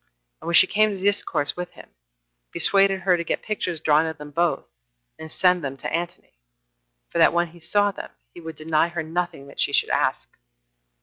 And when she came to discourse with him, he persuaded her to get pictures drawn of them both, and to send them to Antony, for that when he saw them, he would deny her nothing that she should ask.